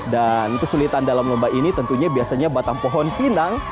dan kesulitan dalam lomba ini tentunya biasanya batang pohon pinang